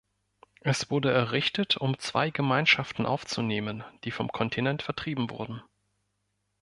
Es wurde errichtet, um zwei Gemeinschaften aufzunehmen, die vom Kontinent vertrieben wurden.